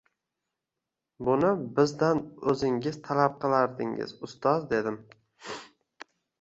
– Buni bizdan o’zingiz talab kilardingiz, ustoz, – dedim